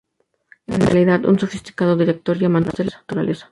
Era en realidad un sofisticado director y amante de la naturaleza.